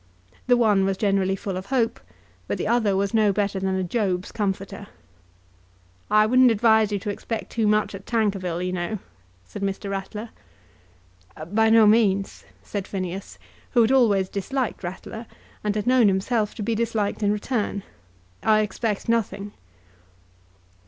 The one was generally full of hope; but the other was no better than a Job's comforter. "I wouldn't advise you to expect too much at Tankerville, you know," said Mr. Ratler. "By no means," said Phineas, who had always disliked Ratler, and had known himself to be disliked in return. "I expect nothing."